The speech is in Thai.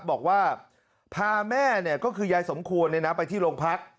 บอกว่าพาแม่ก็คือยายสมควรไปที่โรงพัก